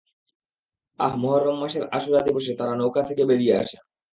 আর মুহাররম মাসের আশুরা দিবসে তারা নৌকা থেকে বেরিয়ে আসেন।